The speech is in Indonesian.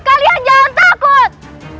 kalian jangan takut